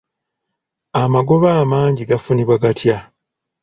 Amagoba amangi gafunibwa gatya?